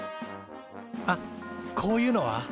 あっこういうのは？